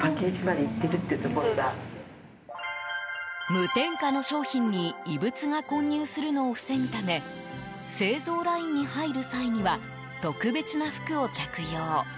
無添加の商品に異物が混入するのを防ぐため製造ラインに入る際には特別な服を着用。